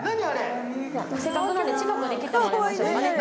せっかくなんで近くに来てもらいましょうかね何？